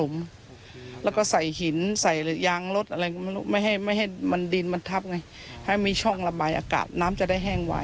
ไม่ให้มันดินมันทับไงให้มีช่องระบายอากาศน้ำจะได้แห้งไว